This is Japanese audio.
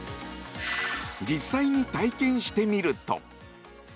実際に体験してみると。